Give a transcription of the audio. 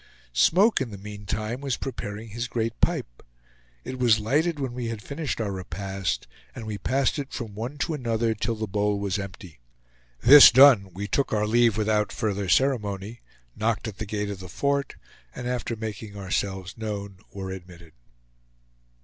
Smoke in the meantime was preparing his great pipe. It was lighted when we had finished our repast, and we passed it from one to another till the bowl was empty. This done, we took our leave without further ceremony, knocked at the gate of the fort, and after making ourselves known were admitted.